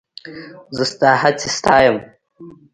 زه ستا هڅې ستایم.